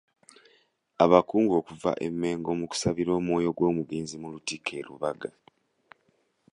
Abakungu okuva e Mengo mu kusabira omwoyo gw'omugenzi mu Lutikko e Lubaga.